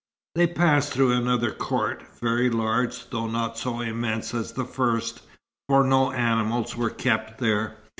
They passed through another court, very large, though not so immense as the first, for no animals were kept there.